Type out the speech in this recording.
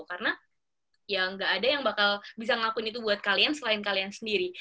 karena ya nggak ada yang bakal bisa ngelakuin itu buat kalian selain kalian sendiri